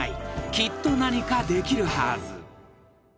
きっと何かできるはず］